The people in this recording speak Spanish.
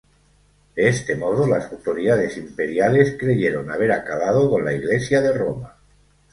De este modo las autoridades imperiales creyeron haber acabado con la Iglesia de Roma.